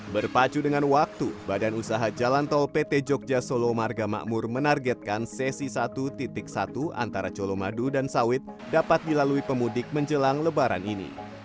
berpacu dengan waktu badan usaha jalan tol pt jogja solo marga makmur menargetkan sesi satu satu antara colomadu dan sawit dapat dilalui pemudik menjelang lebaran ini